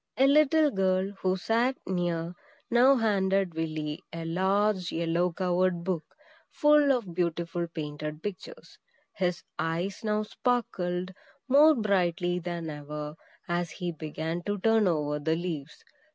A little girl, who sat near, now handed Willy a large yellow covered book, full of beautiful painted pictures. His eyes now sparkled more brightly than ever, as he began to turn over the leaves.